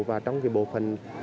và trong bộ phần